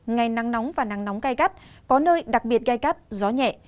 ngày nắng nóng và nắng nóng gai gắt có nơi đặc biệt gai gắt gió nhẹ